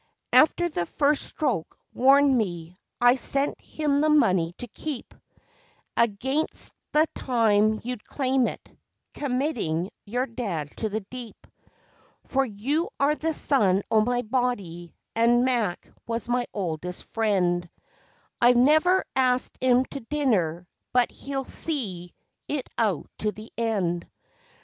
After the first stroke warned me I sent him the money to keep Against the time you'd claim it, committin' your dad to the deep; For you are the son o' my body, and Mac was my oldest friend, I've never asked 'im to dinner, but he'll see it out to the end.